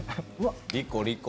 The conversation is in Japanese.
リコ、リコ！